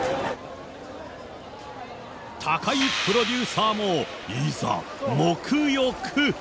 高井プロデューサーもいざ沐浴。